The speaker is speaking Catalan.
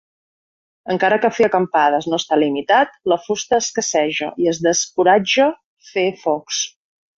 Encara que fer acampades no està limitat, la fusta escasseja i es descoratja fer focs.